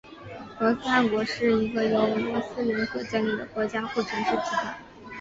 罗斯汗国是一个由罗斯人所建立的国家或城市集团。